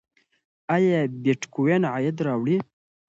ایا بېټکوین عاید راوړي؟